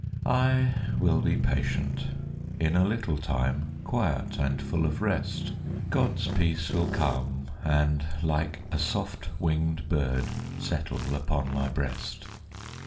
I will be patient, in a little time Quiet, and full of rest, Gods's peace will come, and, like a soft winged bird, Settle upon my breast.